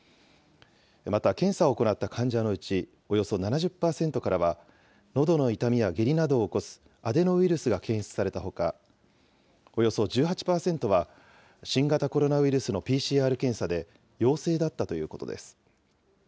また、検査を行った患者のうちおよそ７０％からは、のどの痛みや下痢などを起こすアデノウイルスが検出されたほか、およそ１８％は新型コロナウイルスのＰＣＲ検査で陽性だったということです。